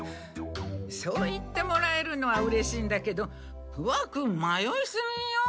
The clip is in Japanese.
そう言ってもらえるのはうれしいんだけど不破君迷いすぎよ。